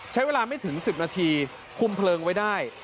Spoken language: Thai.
ใช้เวลาไม่ถึง๑๐นาทีคุมเพลิงไว้ได้